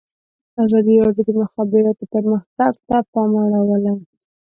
ازادي راډیو د د مخابراتو پرمختګ ته پام اړولی.